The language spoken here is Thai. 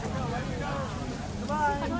จังทะละที